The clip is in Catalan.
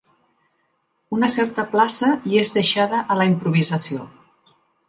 Una certa plaça hi és deixada a la improvisació.